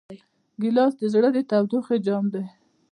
ګیلاس د زړه د تودوخې جام دی.